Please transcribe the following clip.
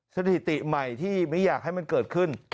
สถิติใหม่ที่ไม่อยากให้มันเกิดขึ้น